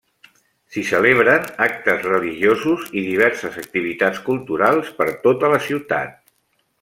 S’hi celebren actes religiosos i diverses activitats culturals per tota la ciutat.